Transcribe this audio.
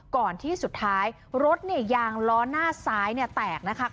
ก่อนที่สุดท้ายรถยางล้อหน้าซ้ายแตกนะคะ